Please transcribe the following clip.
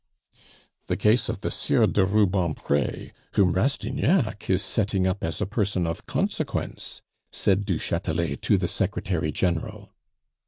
"The case of the Sieur de Rubempre, whom Rastignac is setting up as a person of consequence," said du Chatelet to the Secretary General.